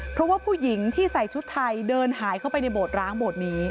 เพราะว่าผู้หญิงที่ใส่ชุดไทยเดินหายเข้าไปในโบสร้างโบสถ์นี้